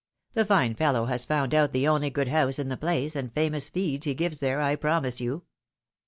The fine fellow has found out the only good house in the place, and famous feeds he gives there, I promise you.